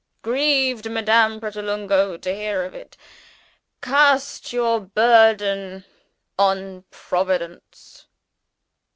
Grieved, dear Madame Pratolungo, to hear of it. Cast your burden on Providence.